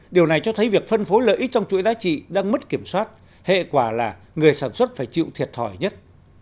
điều này cho thấy việc phân phối lợi ích trong chuỗi giá trị đang mất kiểm soát hệ quả là người sản xuất phải chịu thiệt thòi nhất